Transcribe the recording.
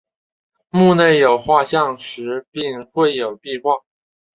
墓内有画像石并绘有壁画。